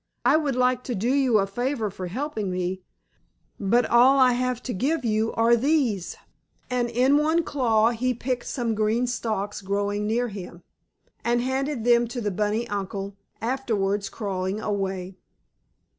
"I would like to do you a favor for helping me, but all I have to give you are these," and in one claw he picked some green stalks growing near him, and handed them to the bunny uncle, afterward crawling away.